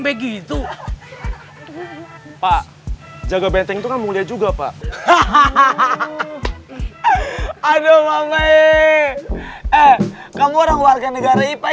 begitu pak jaga benteng itu kamu dia juga pak hahaha aduh mamae kamu orang warga negara ipah